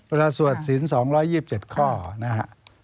ประสวรรค์สิน๒๒๗ข้อนะครับ